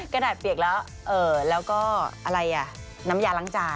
กระดาษเปียกแล้วแล้วก็อะไรอ่ะน้ำยาล้างจาน